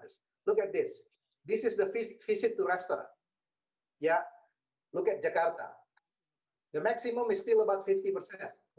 jadi hatiku sedikit lebih menarik untuk kota dan negara